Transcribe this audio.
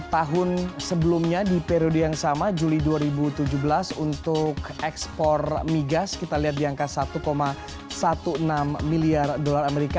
tahun sebelumnya di periode yang sama juli dua ribu tujuh belas untuk ekspor migas kita lihat di angka satu enam belas miliar dolar amerika